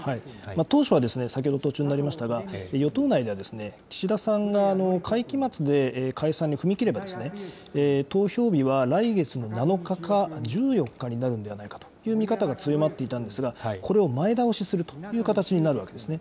当初は、先ほど途中になりましたが、与党内では岸田さんが会期末で解散に踏み切れば、投票日は来月の７日か、１４日になるのではないかという見方が強まっていたんですが、これを前倒しするという形になるわけですね。